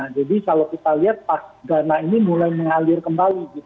jadi kalau kita lihat pas dana ini mulai mengalir kembali